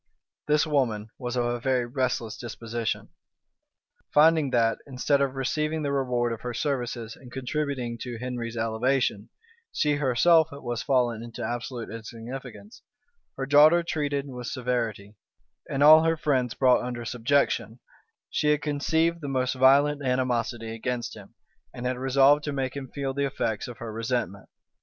This woman was of a very restless disposition. Finding that, instead of receiving the reward of her services in contributing to Henry's elevation, she herself was fallen into absolute insignificance, her daughter treated with severity, and all her friends brought under subjection, she had conceived the most violent animosity against him, and had resolved to make him feel the effects of her resentment.